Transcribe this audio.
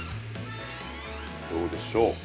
◆どうでしょう？